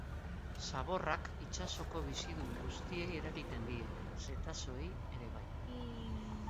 Zaborrak itsasoko bizidun guztiei eragiten die, zetazeoei ere bai.